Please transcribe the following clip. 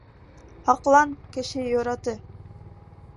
Һаҡлан, кеше йораты!